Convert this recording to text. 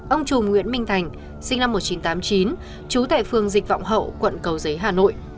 ông chùm nguyễn minh thành sinh năm một nghìn chín trăm tám mươi chín trú tại phường dịch vọng hậu quận cầu giấy hà nội